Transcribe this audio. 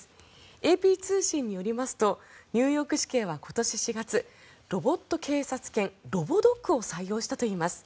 ＡＰ通信によりますとニューヨーク市警は今年４月ロボット警察犬、ロボドッグを採用したといいます。